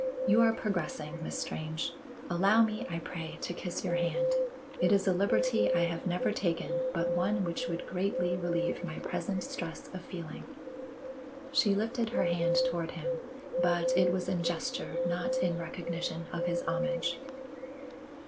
"You are progressing, Miss Strange. Allow me, I pray, to kiss your hand. It is a liberty I have never taken, but one which would greatly relieve my present stress of feeling." She lifted her hand toward him, but it was in gesture, not in recognition of his homage.